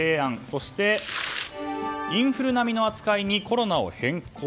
そして、インフル並みの扱いにコロナを変更？